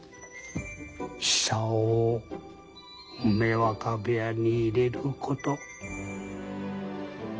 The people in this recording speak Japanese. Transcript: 久男を梅若部屋に入れること。